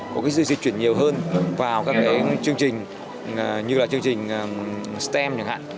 có cái sự di chuyển nhiều hơn vào các chương trình như là chương trình stem chẳng hạn